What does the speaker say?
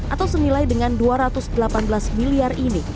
atau senilai dengan dua ratus delapan belas miliar ini